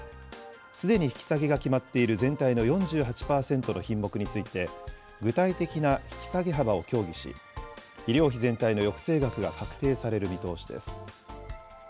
すでに引き下げが決まっている全体の４８％の品目について、具体的な引き下げ幅を協議し、医療費全体の抑制額が確定される見通しです。